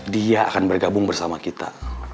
dia akan bergabung bersama kita